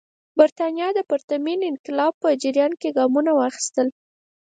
برېټانیا د پرتمین انقلاب په جریان کې ګامونه واخیستل.